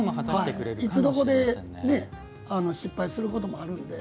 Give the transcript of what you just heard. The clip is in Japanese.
いつどこで失敗することもあるんで。